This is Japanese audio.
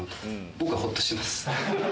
僕はほっとしてます。